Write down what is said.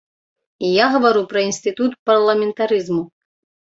Я гавару пра інстытут парламентарызму.